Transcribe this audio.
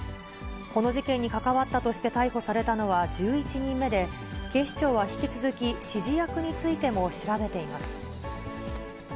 この事件に関わったとして逮捕されたのは１１人目で、警視庁は引き続き、指示役についても調べています。